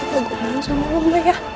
gue mau sama lo mbak ya